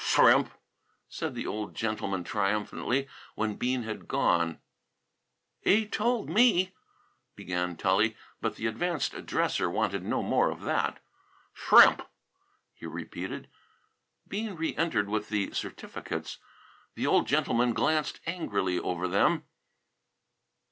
"Shrimp!" said the old gentleman triumphantly, when Bean had gone. "He told me," began Tully. But the advanced dresser wanted no more of that. "Shrimp!" he repeated. Bean reëntered with the certificates. The old gentleman glanced angrily over them.